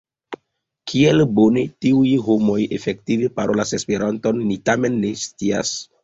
Kiel bone tiuj homoj efektive parolas Esperanton ni tamen ne scias.